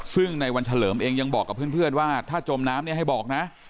ซึ่งในวันเฉลิมเองยังบอกกับเพื่อนว่าถ้าจมน้ำเนี่ยให้บอกนะ